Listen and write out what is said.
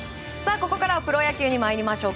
ここからはプロ野球に参りましょう。